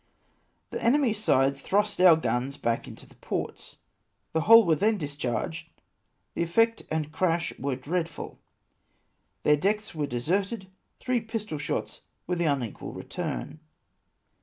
" The enemy's side thrust our guns back into the ports, the whole were then discharged, the effect and crash were dread ful ; their decks were deserted ; three pistol shots were the unequal return.